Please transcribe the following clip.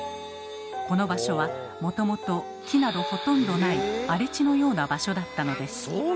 この場所はもともと木などほとんどない荒れ地のような場所だったのです。